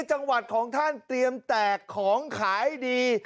จังหวัดของท่านเตรียมแตกของขายดี